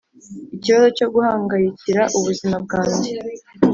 Ikibazo cyo guhangayikira ubuzima bwanjye